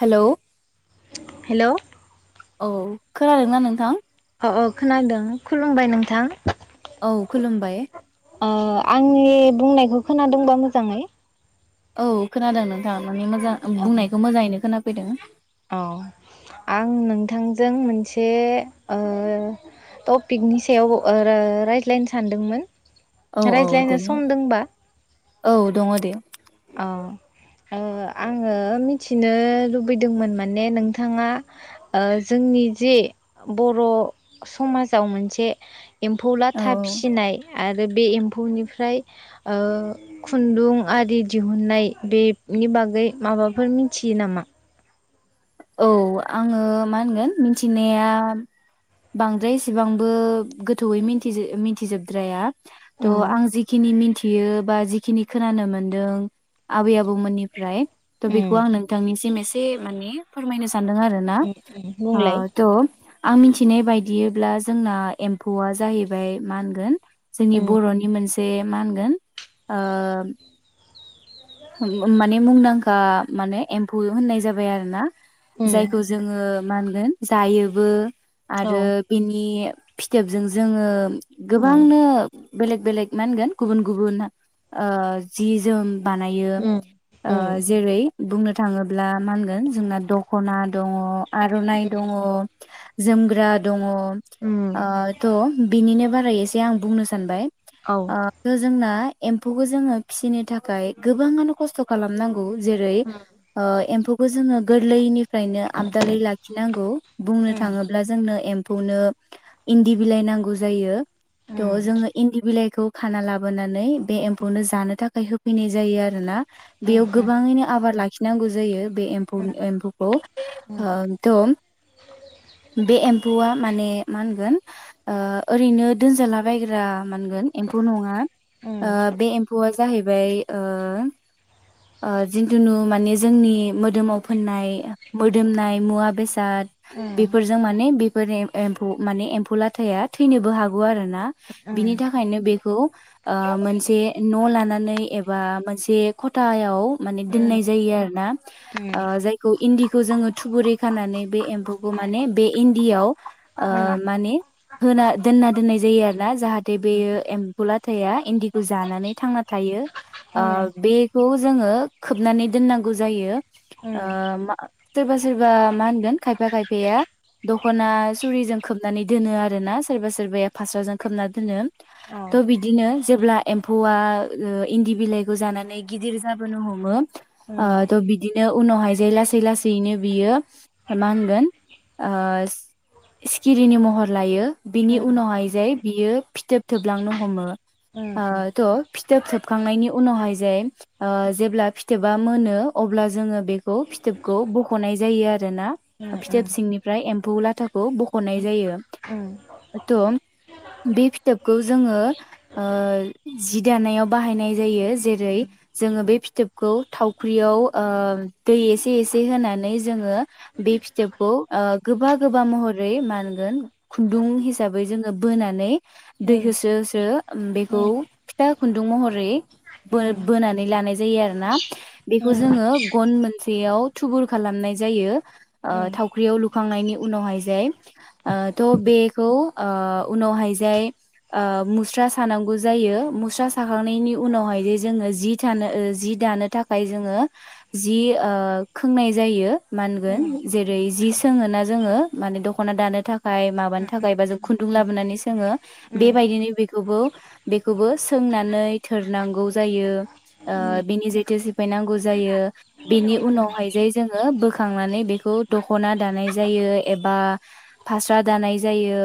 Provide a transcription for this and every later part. Hello hello औ खोनादों ना नोंथां अ अ औ खोनादों खुलुमबाय नोंथां औ खुलुमबाय अ आंनि बुंनायखौ खोनादोंबा मोजाङै औ खोनादों नोंथां माने मोजां बुंनायखौ औ मोजाङैनो खोनाफैदों आं नोंथांजों मोनसे ओ टपिकनि सायाव ओ रायज्लायनो सानदोंमोन औ औ दे रायज्लायनो सम दोंबा औ दङ दे अ ओ आङो मिथिनो लुबैदोंमोन माने नोंथाङा ओ जोंनि जे बर' समाजाव मोनसे एम्फौ औ लाथा फिसिनाय आरो बे एम्फौनिफ्राय ओ खुन्दुं आरि दिहुन्नाय बेनि बागै माबाफोर मिनथियो नामा औ आङो मा होनगोन मिनथिनाया बांद्राय एसेबांबो गोथौयै मिनथि मिनथिजोबद्राया त' उम आं जिखिनि मिथि यो बा जिखिनि खोनानो मोन्दों आबै आबौमोननिफ्राय त' उम बेखौ आं नोंथांनिसिम ए से माने फोरमायनो सानदों आरो ना उम उम ओ बुंलाय त' आं मिथिनाय बाय बियोब्ला जोंना एम्फौआ जाहैबाय मा होनगोन जोंनि उम बर'नि मोन से मा होनगोन ओ माने मुंदांखा माने एम्फौ होननाय जाबाय आरो ना उम जायखौ जोङो मा होनगोन जायोबो औ आरो बिनि फिथोबजों जोङो उम गोबांनो बेलेग बेलेग मा होनगोन गुबुन गुबुन ओ जि जोम बान बानायो उम ओ उम जेरै बुंनो थाङोब्ला मा होनगोन जोंना दखना दङ आर'नाइ दङ जोमग्रा दङ उम आ थ' बिनिनो बारै एसे आं बुंनो सानबाय। औ उम आ बे जोंना एम्फौखौ जोङो फिसिनो थाखाय गोबाङानो खस्थ' खालामनांगौ गौ जेरै ओ एम्फौखौ जोङो गोरलैनिफ्रायनो आबदालै लाखिनांगौ बुंनो उम थाङोब्ला जों बेखौनो इन्दि बिलाइ नांगौ जायो। थ' जोङो इन्दि बिलाइखौ खाना लाबोनानै बे एम्फौनो जानो थाखाय होफैनाय जायो आरो ना उम उम बेयाव उम गोबाङैनो आबाद लाखिनांगौ जायो बे एम्फौ एम्फौखौ ओ थ' बे एम्फौआ माने मा होनगोन ओ ओरैनो दोनजालाबायग्रा मा‌ होनगोन एम्फौ नङा। ओ बे एमफौआ जाहैबाय ओ‌ ओ जिनथुनु माने जोंनि मोदोमाव फोननाय मोदोमनाय मुवा बेसेाद दा उम उम बेफोरजों माने बेफोरनि एमफौ माने एम्फौ लाथाया थैनोबो हागौ आरो ना। ना उम बिनि थाखायनो बेखौ ओ मोनसे न' लानानै एबा बा मोनसे खथायाव माने अ दोननाय जायो आरो ना ओ जायखौ इन्दिखौ जोङो थुबुरै खानानै बे एम्फौ माने बे इन्दियाव ओ अ माने होना दोनना दोननाय जायो आरोना जाहाथे बेयो एम्फुला [unintelligible] इन्दिखौ जानानै थांना थायो। आ बेखौ जोङो खोबनानै दोननांगौ जायो। ओ मा सोरबा सोरबा मा होनगोन खायफा खायफाया दख'ना सुरिजों खोबनानै दोनो आरो ना सोरबा सोरबाया फास्राजों खोबना दोनो थ बिदिनो जेब्ला एम्फौआ ओ इन्दि बिलाइखौ जानानै गिदिर जाबोनो हमो ओ तह बिदिनो उनावहाय जाय लासै लासैनो बियो मा होनगोन ओ सिखिरिनि महर लायो बिनि उनावहाय जाय बियो फिथोब थोबलांनो हमो ओ थह फिथोब बखांनायनि उनावहाय जाय ओ जेब्ला फिथोबा मोनो अब्ला जोङो बेखौ फिथोबखौ बख'नाय जायो आरोना ओ ओ फ्राय एम्फौ लाथाखौ बख'नाय जायो। उम थ बे फिथोबखौ जोङो ओ जि दानायाव बाहायनाय जायो जेरै जोङो बे फिथोबखौ थावख्रियाव ओ दै एसे एसे होनानै जोङो बे फिथोबखौ ओ गोबा गोबा महरै मा होनगोन खुन्दुं हिसाबै जोङो बोनानै दै होसो होसो बेखौ फिथा घुन दुं महरै बो बोनानै लानाय जायो आरो ना बेखौ जोङो गन मोनसेयाव थुबुर खालामनाय जायो थावख्रियाव लुखांनायनि उनावहाय जाय ओ दं बेखौ उनावहाय मुस्रा सानांगौ जायो। साखांनायनि उनावहाय जे जोङो जि थानो जि दानो थाखाय जोङो जि खोंनाय जायो। मा ओनगोन जेरै जि सोङोना जोङो माने दखना दानो थाखाय माबानो थाखाय बा जों खुन्दुं लाबोनानै सोङो बेबायदिनो बेखौबो बेखौबो सोंनानै नानै थोरनांगौ जायो बिनि जेथो सिफायनांगौ जायो बेनि उनावहाय जाय जोङो बोखांनानै बेखौ दखना दानाय जायो एबा फास्रा दानाय जायो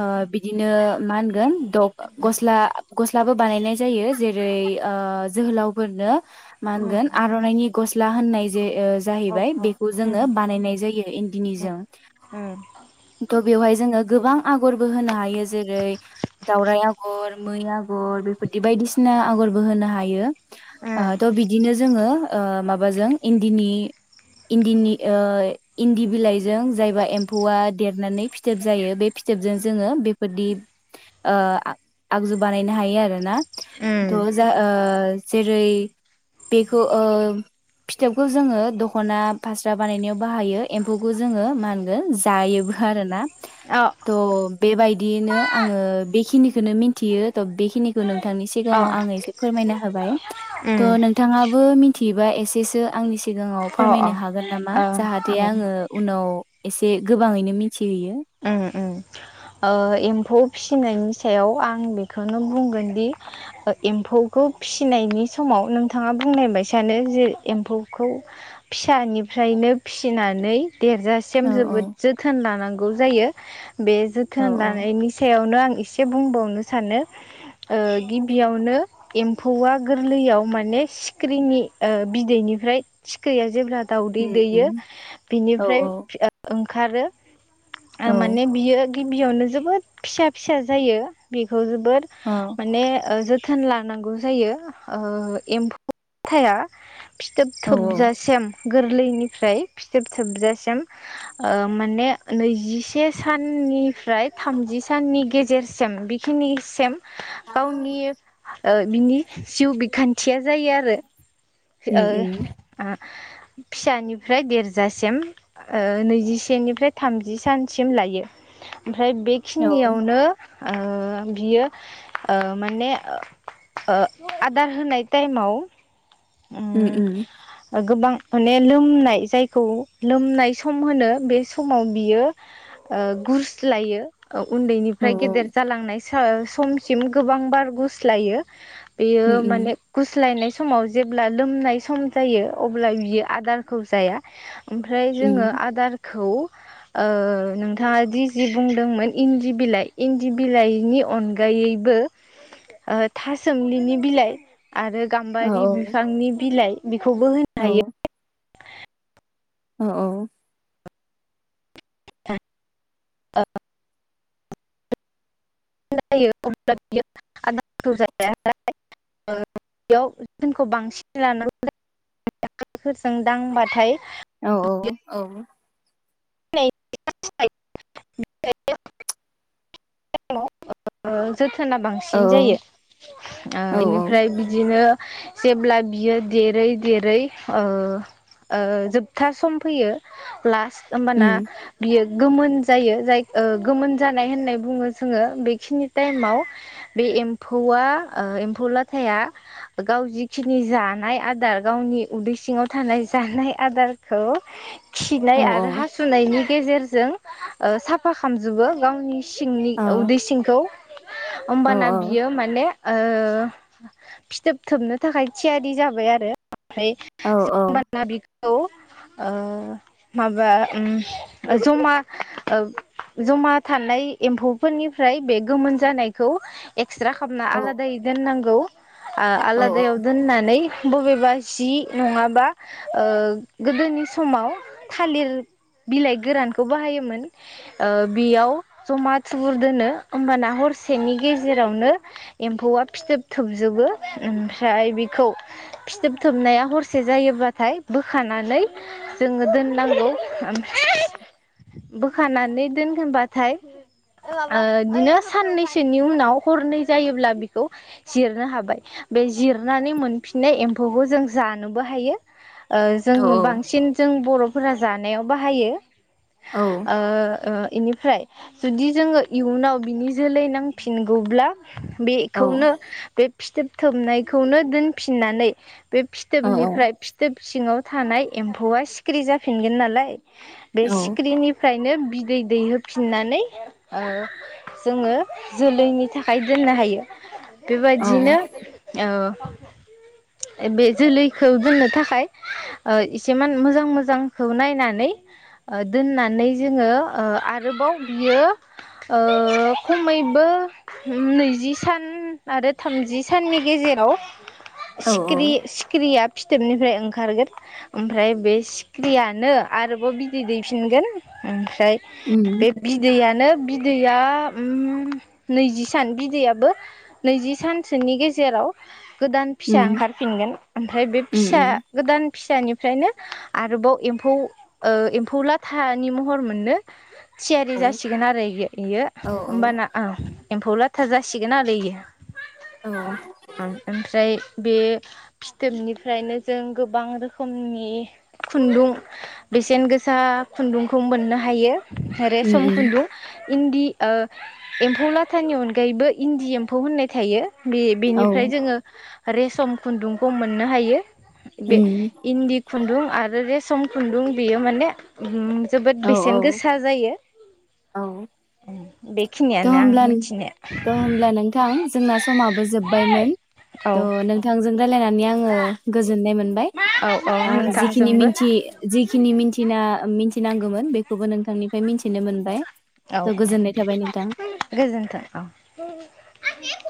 ओ बिदिनो मा होनगोन गस्ला गस्लाबो बानायनाय जायो जेरै जोहोलावफोरनो मा होनगोन आर'नाइनि गस्ला होननाय जे जाहैबाय बेखौ जोङो बानायनाय जायो इन्दिनिजों थ बेवहाय जोङो गोबां आगरबो होनो हायो जेरै दावराइ आगर मै आगर आगर बेफोर बायदिसिना आगरबो होनो हायो थ बिदिनो जोङो माबाजों इन्दिनि इन्दिनि इन्दि बिलाइजों जायबा एम्फौआ देरनानै फिथोब जायो बे फिथोबजों जोङो बेफोरदि आगजु बानाय नायनो हायो आरो ना थ जा ओ जेरै बेखौ ओ फिथोबखौ जोङो दखना फास्रा बानायनायाव बाहायो एम्फौखौ जोङो मा होनगोन जायोबो आरो ना थ बेबायदियैनो आङो बेखिनिखौनो मिथियो थ बेखिखौ नों थांनि सिगाङाव आं एसे फोरमायना होबाय त नोंथाङाबो थियोबा एसेसो आंनि सिगाङाव फोरमायनो हागोन नामा जाहाथे आङो उनाव एसे गोबाङैनो मिथिहैयो। अ एम्फौ फिसिनायनि सायाव आं बेखौनो बुंगोनदि एम्फौखौ फिसिनायनि समाव नोंथाङा बुंनाय बायसानो जे एम्फौखौ फिसानिफ्रायनो फिसिनानै देरजासिम औ जोबोद जोथोन लानांगौ जायो। बे औ थोन लानायनि सायावनो आं एसे बुंबावनो सानो ओ गिबियावनो एम्फौआ गोरलैयाव माने सिखिरिनि बिदैनिफ्राय सिख्रिया जेब्ला दाउदै उम दैयो उम औ बिनिफ्राय औ ओंखारो औ माने बियो गिबियावनो जोबोद फिसा फिसा जायो बे खौ जोबोर अ जोथोन जोथोन लानांगौ जायो ओ एम्फौ लाथाया फिथोब औ थोबजासिम गोरलैनिफ्राय फिथोब सोबजासिम ओ माने नैजिसे साननि ओमफ्राय थामजि साननि गेजेरसिम बेखिनिसिम गावनि ओ बिनि जिउ बिखान्थिया जायो आरो उम उम ओ आ फिसानिफ्राय देरजासिम ओ नैजिसेनिफ्राय थामजि सानसिम लायो ओमफ्राय औ बेखिनियावनो ओ बियो ओ माने ओ आदार होनाय टाइमाव उम उम गोबां माने लोमनाय जायखौ लोमनाय सम होनो बे समाव बियो ओ गुरस्लायो औ औ उन्दैनिफ्राय गेदेर जालांनाय सो समसिम गोबां बार गुस्लायो बेयो उम उम माने गुस्लायनाय समाव जेब्ला लोमनाय सम जायो अब्ला बियो आदारखौ जाया ओमफ्राय जोङो उम आदारखौ ओ नोंथाङा दि जि बुंदोंमोन इन्दि बिलाइ इन्दि बिलाइनि अनगायैबो ओ थासोमलिनि बिलाइ आरो औ गाम्बारि औ बि बिलाइ बे खौबो होनो औ हायो औ औ [unintelligible] जायो अब्ला बियो आदारखौ जाया नाथाय ओ बेयाव [unintelligible] बांसिन [unintelligible] फोरजों दांबाथाय औ औ औ [unintelligible] थोना औ बांसिन जायो ओ औ बेनिफ्राय बिदिनो जेब्ला बियो देरै देरै ओ ओ जोबथा सम फैयो प्लास ओमबाना उम बियो गोमोन जायो जाय ओ गोमोन जानाय होननाय बुङो जोङो बेखिनि टाइमाव बे एम्फौआ ओ एम्फौ लाथाया गाव जिखिनि जानाय आदार गावनि उदै सिङाव थानाय जानाय आदारखौ औ खिनाय औ आरो हासु नायनि गेजेरजों ओ साफा खालामजोबो गावनि सिंनि उदै सिंखौ औ होमबाना औ बियो माने ओ फिथोब थोबनो थाखाय थियारि जाबाय आरो औ औ ओमफाय औ ओ माबा ओ जमा ओ जमा थानाय एम्फौफोरनिफ्राय बे गोमोन जानायखौ एक्स्रा खालामना आलादायै दोननांगौ आ आलादायाव औ औ दोननानैै बबेबा जि नङाबा ओ गोदोनि समाव थालिर बिलाइ गोरानखौ बाहायोमोन ओ बेयाव जमा थुबुर दोनो होमबाना हरसेनि गेजेरावनो एम्फौआ फिथोब थोबजोबो ओमफ्राय बेखौ फिथोब थोबनाया हरसे जायोबाथाय बोखानानै जोङो दोननांगौ। म [unintelligible] आ [inaudible] बोखानानै दोनगोनबाथाय बिदिनो साननैसोनि उनाव हरनै जायोब्ला बेखौ जिरनो हाबाय बे जिरनानै मोनफिननाय एम्फौखौ जों जानोबो हायो ओ जों बांसिन जों बर' फोरा जा नायाव बाहायो ओ ओ इनिफ्राय जुदि जोङो इयुनाव बिनि जोलै नांफिनगौब्ला बेखौनो बे फिथोबथोबनायखौनो दोनफिननानै बे औ फिथोबनिफ्राय फिथोब सिङाव थानाय एम्फौआ सिखिरि जाफिनगोन ना लाय बे औ औ सिक्रिनिफ्रायनो बिदै दैहोफिननानै जोङो जोलैनि थाखाय दोननो हायो। औ बेबायदिनो बे जोलैखौ दोननो थाखाय इसेमान मोजां मोजांखौ नायनानै दोननानै जोङो आरोबाव बियो ओ खमैबो नैजि सान आरो थामजि साननि गेजेराव औ सिखिरि सिखिरिया फिथोबनिफ्राय ओंखारगोन ओमफ्राय बे सिखिरियानो आरोबाव बिदै दैफिनगोन ओम फ्राय उम बे बिदैयानो बिदैया उम नैजि सान बिदैयाबो नैजि सानसोनि गेजेराव गोदान फिसा उम ओंखारफिनगोन ओमफ्राय बे उम फिसा उम गोदान फिसानिफ्रायनो आरोबाव एम्फौ ओ एम्फौ लाथानि महर मोननो थियारि औ जासिगोन आरो इ इयो औ ओमबाना एम्फौ लाथा जासिगोन आरो इयो औ [unintelligible] आमफ्राय बे फिथोबनिफ्रायनो जों गोबां रोखोमनि खुन्दुं बेसेन गोसा खुन्दुंखौ मोननो हायो उम रेसम उम खुनदुं इन्दि ओ एम्फौ लाथानि अनगायैबो इन्दि एम्फौ होननाय थायो बे औ बेनिफ्राय जोङो रेसम खुन्दुंखौ मोननो हायो बे उम इनदि खुनदुं आरो रेसम खुन्दुं बियो माने उम जोबोद औ बेसेन औ गोसा जायो बे तह होमब्ला होनोमब्ला नोंथां जोंना समाबो जोबबायमोन औ तह नोंथांजों रायलायना नै आङो गोजोननाय मोन बाय औ औ ओ जिखिनि नोंथांजोंबो मिनथि जिखिनि मिनथिना मिनथिनांगौमोन बेखौबो नोंथांनिफ्राय मिनथिनो मोनबाय थ' गोजोननाय थाबाय नों गोजोनथों औ [unintelligible]